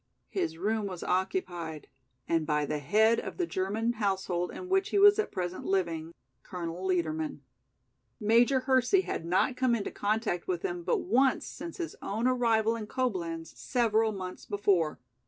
His room was occupied and by the head of the German household in which he was at present living, Colonel Liedermann. Major Hersey had not come into contact with him but once since his own arrival in Coblenz several months before.